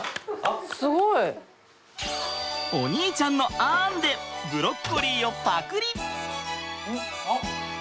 お兄ちゃんの「あーん！」でブロッコリーをパクリ！